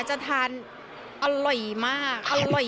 จะทานอร่อยมาก